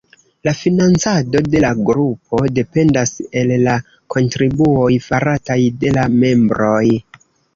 La financado de la grupo dependas el la kontribuoj farataj de la membroj.